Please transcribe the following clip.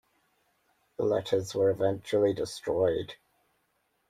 The letters were eventually destroyed.